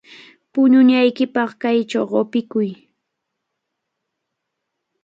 Puñunaykipaq kaychaw qupikuy.